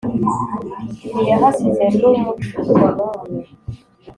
ntiyahasize nu mucuko numwe